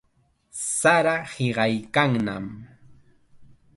Sara hiqaykannam.